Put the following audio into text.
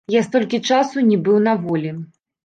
Я столькі часу не быў на волі!